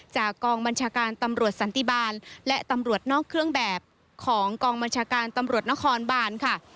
จากกองบัญชาการตำรวจสันติบาลและตำรวจนอกเครื่องแบบของกองบัญชาการตำรวจนครบานค่ะ